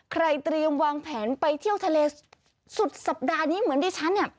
เตรียมวางแผนไปเที่ยวทะเลสุดสัปดาห์นี้เหมือนดิฉันเนี่ย